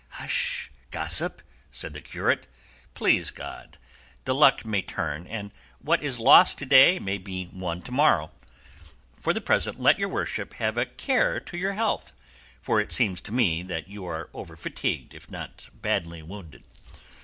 "Hush, gossip," said the curate; "please God, the luck may turn, and what is lost to day may be won to morrow; for the present let your worship have a care of your health, for it seems to me that you are over fatigued, if not badly wounded."